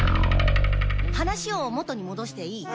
話を元にもどしていい？